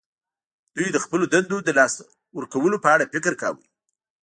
دوی د خپلو دندو د لاسه ورکولو په اړه فکر کاوه